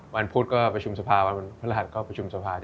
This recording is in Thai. วันพุธก็ประชุมสภาวันบริหารก็ประชุมสภา